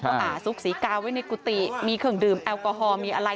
ว่าซุกศรีกาไว้ในกุฏิมีเครื่องดื่มแอลกอฮอล์มีอะไร